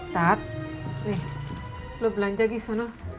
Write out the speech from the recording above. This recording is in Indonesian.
tar lu belanja disana